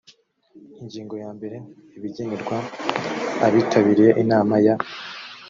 ingingo ya mbere ibigenerwa abitabiriye inama ya